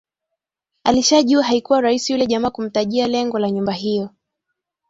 Alishajua haikuwa rahisi yule jamaa kumtajia lengo la nyumba hio